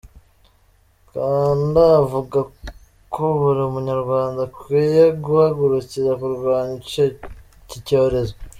Kabanda avuga ko buri munyarwanda akwiye guhagurukira kurwanya iki cyorezo.